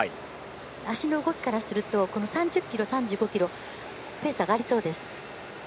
足の動きからすると３０ｋｍ、３５ｋｍはペースが上がりそうです。